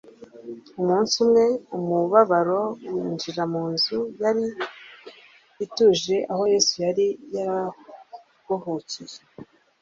Umunsi umwe, umubabaro winjira mu nzu yari ituje aho Yesu yari yararuhukiye.